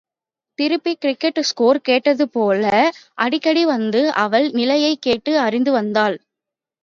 திருப்பிக் cricket score கேட்பது போல அடிக்கடி வந்து அவள் நிலையைக் கேட்டு அறிந்து வந்தாள்.